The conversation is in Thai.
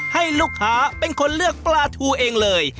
ให้ลูกค้าเป็นคนเลือกปลาทูเองเลย